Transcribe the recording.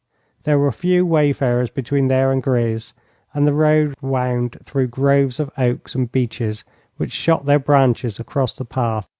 There were few wayfarers between there and Greiz, and the road wound through groves of oaks and beeches, which shot their branches across the path.